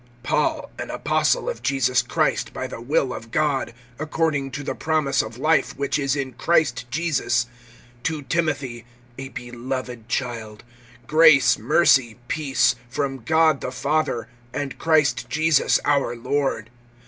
PAUL, an apostle of Jesus Christ by the will of God, according to the promise of life which is in Christ Jesus, (2)to Timothy, a beloved child: Grace, mercy, peace, from God the Father and Christ Jesus our Lord.